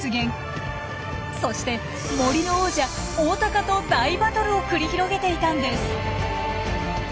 そして森の王者オオタカと大バトルを繰り広げていたんです。